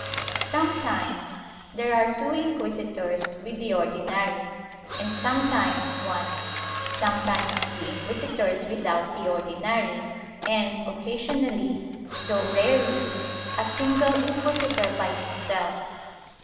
Some times there are two inquisitors with the Ordinary and sometimes one; sometimes two inquisitors without the Ordinary, and occa sionally, though rarely, a single inquisitor by himself.